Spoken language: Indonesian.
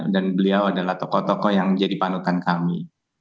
dan beliau adalah tokoh tokoh yang jadi panutan kami